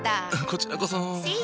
こちらこそ。